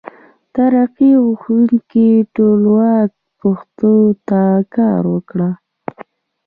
ترقي غوښتونکي ټولواک پښتو ته کار وکړ.